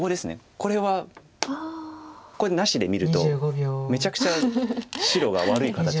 これはこれなしで見るとめちゃくちゃ白が悪い形なんですよね。